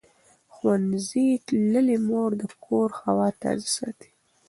ښوونځې تللې مور د کور هوا تازه ساتي.